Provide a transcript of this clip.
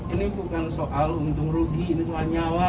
ini bukan soal untung rugi ini soal nyawa